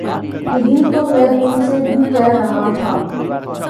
یہی تو میں ان سے بھی کہہ رہا تھا